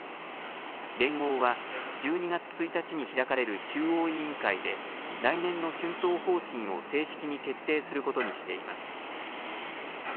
連合は１２月１日に開かれる中央委員会で来年の春闘方針を正式に決定することにしています。